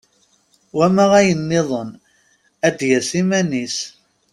Wama ayen-nniḍen ad d-yas iman-is.